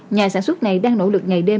nhà sản xuất này đang nỗ lực ngày đêm